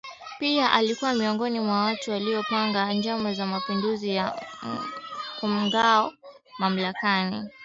Pia alikuwa miongoni mwa watu waliopanga njama za mapinduzi ya kumngoa mamlakani